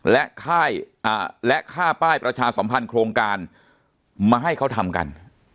และค่ายและค่าป้ายประชาสมภัณฑ์โครงการมาให้เขาทำกัน